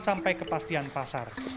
sampai kepastian pasar